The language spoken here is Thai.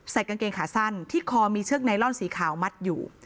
กางเกงขาสั้นที่คอมีเชือกไนลอนสีขาวมัดอยู่